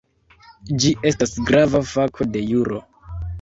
Ĝi estas grava fako de juro.